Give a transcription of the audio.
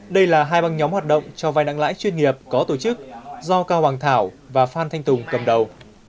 đây là hai băng nhóm hoạt động cho vai nặng lãi chuyên nghiệp có tổ chức do cao bằng thảo và phan thanh tùng cầm đầu